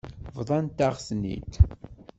Bḍant-aɣ-ten-id.